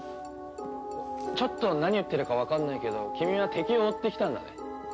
ちょっと何言ってるかわかんないけど君は敵を追ってきたんだね。